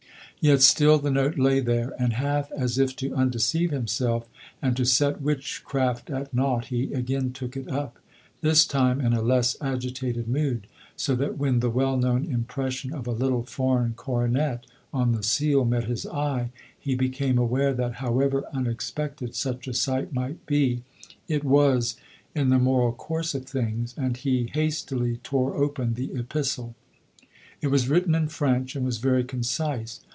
Yet still the note lay there, and half as if to undeceive himself, and to set witchcraft at nought, he again took it up — this LODORE. 135 time in a less agitated mood, so that when tin well known impression of a little foreign coro net on the seal met his eye, he became aware that however unexpected such a sight might be, it was in the moral course of things, and he hastily tore open the epistle : it was written in French, and was very concise.